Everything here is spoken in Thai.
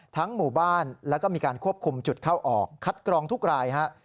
หมู่บ้านแล้วก็มีการควบคุมจุดเข้าออกคัดกรองทุกรายฮะ